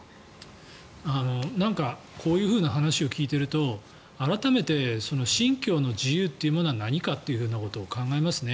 こういう話を聞いていると改めて信教の自由というものは何かということを考えますね。